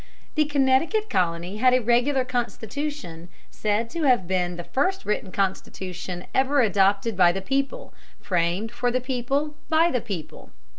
] The Connecticut Colony had a regular constitution, said to have been the first written constitution ever adopted by the people, framed for the people by the people.